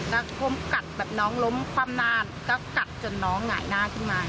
ก็กล้มกัดแบบน้องล้มความหน้าก็กัดจนน้องหงายหน้าขึ้นมาอย่าง